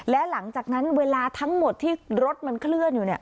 และหลังจากนั้นเวลาทั้งหมดที่รถมันเคลื่อนอยู่